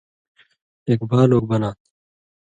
ایک بال اوک بناں تھہ